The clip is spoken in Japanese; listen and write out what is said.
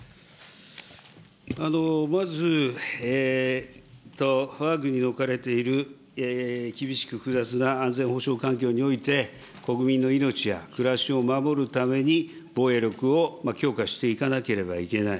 まず、わが国の置かれている厳しく複雑な安全保障環境において、国民の命や暮らしを守るために、防衛力を強化していかなければいけない。